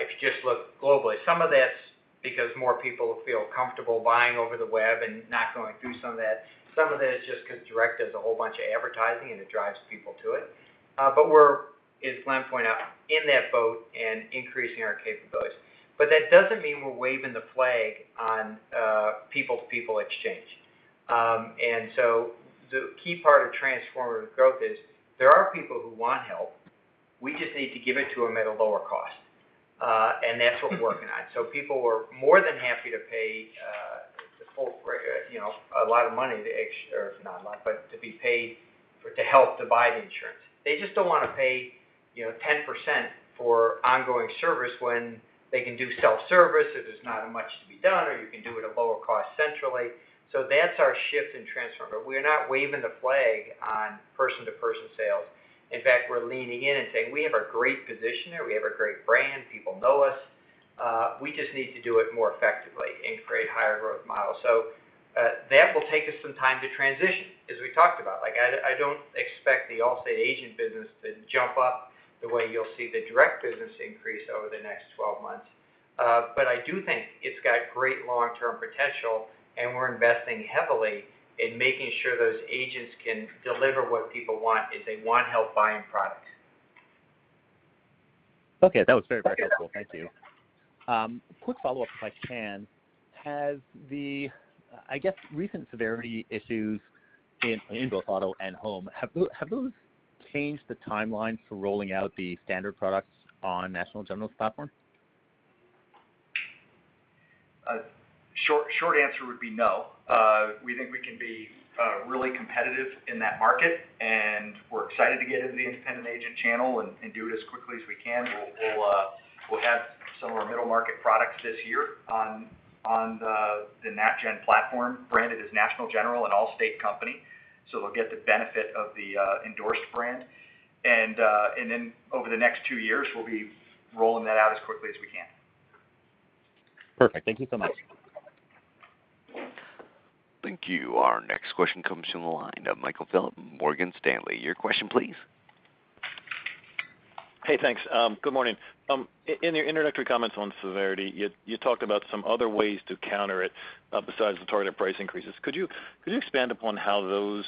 if you just look globally. Some of that's because more people feel comfortable buying over the web and not going through some of that. Some of that is just because direct does a whole bunch of advertising and it drives people to it. We're, as Glenn pointed out, in that boat and increasing our capabilities. That doesn't mean we're waving the flag on people-to-people exchange. The key part of Transformative Growth is there are people who want help. We just need to give it to them at a lower cost. That's what we're working on. People were more than happy to pay a lot of money, or not a lot, but to be paid to help to buy insurance. They just don't want to pay 10% for ongoing service when they can do self-service if there's not much to be done, or you can do it at lower cost centrally. That's our shift in Transformative Growth. We are not waving the flag on person-to-person sales. In fact, we're leaning in and saying, we have a great position there. We have a great brand. People know us. We just need to do it more effectively and create higher growth models. That will take us some time to transition, as we talked about. I don't expect the Allstate agent business to jump up the way you'll see the direct business increase over the next 12 months. I do think it's got great long-term potential and we're investing heavily in making sure those agents can deliver what people want if they want help buying product. Okay. That was very helpful. Thank you. Quick follow-up if I can. Has the, I guess, recent severity issues in both auto and home, have those changed the timeline for rolling out the standard products on National General's platform? Short answer would be no. We think we can be really competitive in that market, and we're excited to get into the independent agent channel and do it as quickly as we can. We'll have some of our middle-market products this year on the Nat Gen platform, branded as National General, an Allstate company. We'll get the benefit of the endorsed brand. Over the next two years, we'll be rolling that out as quickly as we can. Perfect. Thank you so much. Thank you. Our next question comes from the line of Michael Phillips, Morgan Stanley. Your question please. Hey, thanks. Good morning. In your introductory comments on severity, you talked about some other ways to counter it besides the targeted price increases. Could you expand upon how those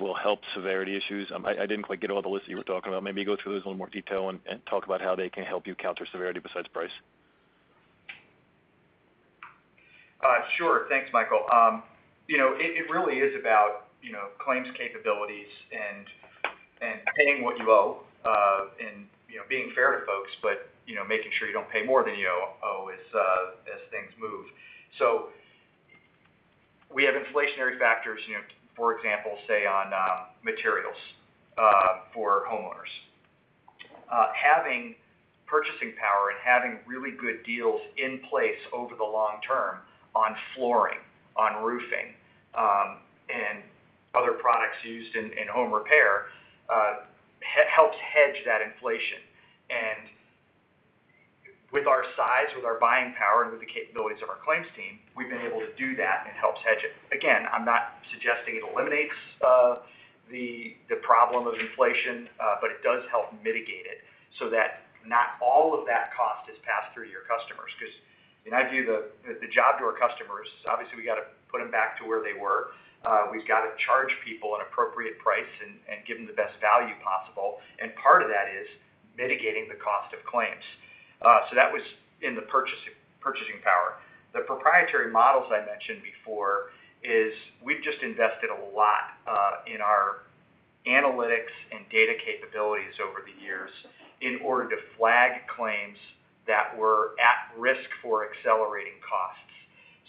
will help severity issues? I didn't quite get all the lists you were talking about. Maybe go through those in a little more detail and talk about how they can help you counter severity besides price. Sure. Thanks, Michael. It really is about claims capabilities and paying what you owe, and being fair to folks, but making sure you don't pay more than you owe as things move. We have inflationary factors, for example, say on materials for homeowners. Having purchasing power and having really good deals in place over the long term on flooring, on roofing, and other products used in home repair, helps hedge that inflation. With our size, with our buying power, and with the capabilities of our claims team, we've been able to do that, and it helps hedge it. Again, I'm not suggesting it eliminates the problem of inflation, but it does help mitigate it so that not all of that cost is passed through to your customers, because ideally, the job to our customers is obviously we got to put them back to where they were. We've got to charge people an appropriate price and give them the best value possible, and part of that is mitigating the cost of claims. That was in the purchasing power. The proprietary models I mentioned before is we've just invested a lot in our analytics and data capabilities over the years in order to flag claims that were at risk for accelerating costs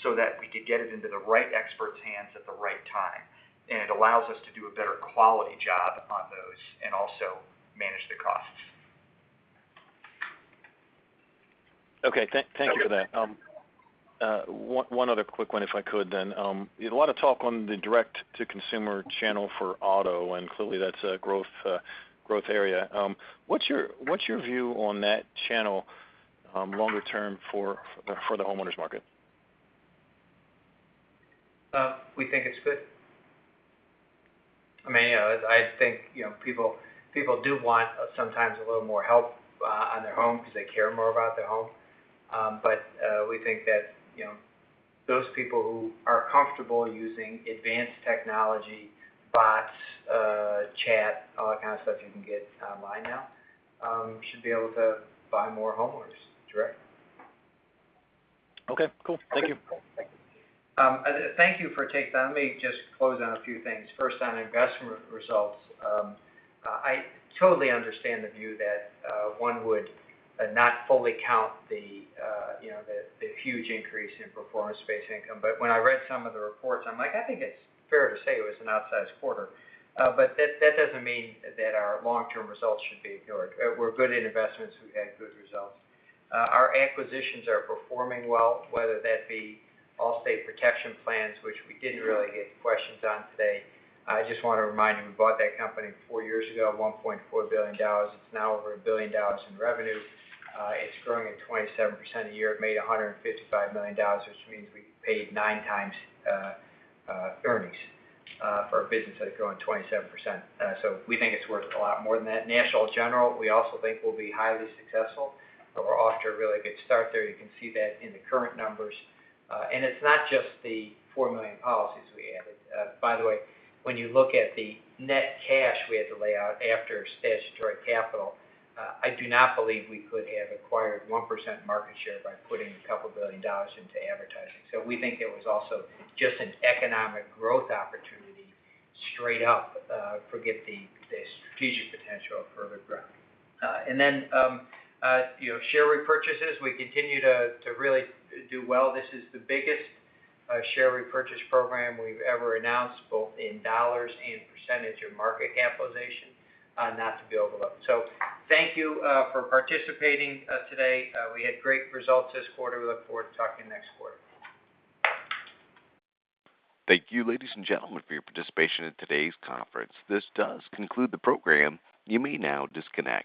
so that we could get it into the right expert's hands at the right time. It allows us to do a better-quality job on those and also manage the costs. Okay. Thank you for that. One other quick one if I could then. A lot of talk on the direct-to-consumer channel for auto, and clearly that's a growth area. What's your view on that channel longer term for the homeowners' market? We think it's good. I think people do want sometimes a little more help on their home because they care more about their home. We think that those people who are comfortable using advanced technology, bots, chat, all that kind of stuff you can get online now, should be able to buy more homeowners direct. Okay, cool. Thank you. Thank you. Thank you for taking that. Let me just close on a few things. First on investment results, I totally understand the view that one would not fully count the huge increase in performance-based income. When I read some of the reports, I'm like, I think it's fair to say it was an outsized quarter. That doesn't mean that our long-term results should be ignored. We're good in investments, we've had good results. Our acquisitions are performing well, whether that be Allstate Protection Plans, which we didn't really get questions on today. I just want to remind you, we bought that company four years ago at $1.4 billion. It's now over $1 billion in revenue. It's growing at 27% a year. It made $155 million, which means we paid 9x earnings for a business that is growing 27%. We think it's worth a lot more than that. National General, we also think will be highly successful. We're off to a really good start there. You can see that in the current numbers. It's not just the 4 million policies we added. By the way, when you look at the net cash we had to lay out after statutory capital, I do not believe we could have acquired 1% market share by putting $2 billion into advertising. We think it was also just an economic growth opportunity straight up, forget the strategic potential for the growth. Share repurchases; we continue to really do well. This is the biggest share repurchase program we've ever announced, both in dollars and percentage of market capitalization, not to be overlooked. Thank you for participating today. We had great results this quarter. We look forward to talking next quarter. Thank you, ladies and gentlemen, for your participation in today's conference. This does conclude the program. You may now disconnect.